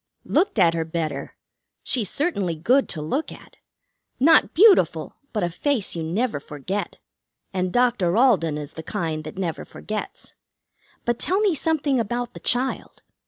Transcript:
"Looked at her better. She's certainly good to look at. Not beautiful, but a face you never forget. And Doctor Alden is the kind that never forgets. But tell me something about the child.